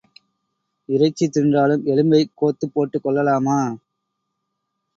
இறைச்சி தின்றாலும் எலும்பைக் கோத்துப் போட்டுக் கொள்ளலாமா?